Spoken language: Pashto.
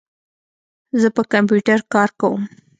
زه په کمپیوټر کار کوم.